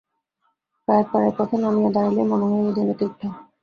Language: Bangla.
কায়েতপাড়ার পথে নামিয়া দাড়াইলেই মনে হয় এ যেন তীর্থ।